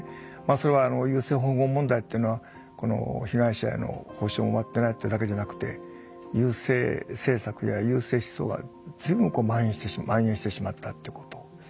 それは優生保護法問題っていうのは被害者への補償も終わってないっていうだけじゃなくて優生政策や優生思想が随分まん延してしまったってことですね